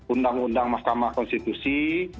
undang undang mahkamah konstitusi